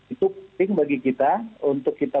itu penting bagi kita untuk kita